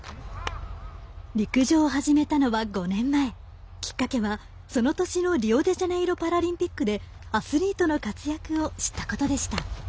陸上を始めたのは５年前きっかけは、その年のリオデジャネイロパラリンピックでアスリートの活躍を知ったことでした。